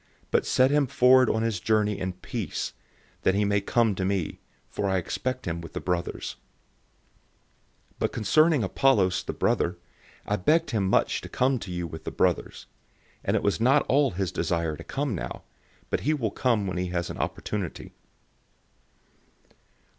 But set him forward on his journey in peace, that he may come to me; for I expect him with the brothers. 016:012 Now concerning Apollos, the brother, I strongly urged him to come to you with the brothers; and it was not at all his desire to come now; but he will come when he has an opportunity.